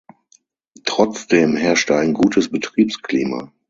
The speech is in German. Trotzdem herrschte ein gutes Betriebsklima.